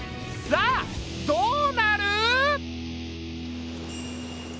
さあどうなる？